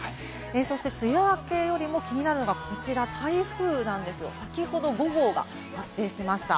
そして梅雨明けよりも気になるのがこちら、台風なんですよ、先ほど５号が発生しました。